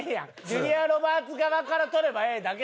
ジュリア・ロバーツ側から撮ればええだけ。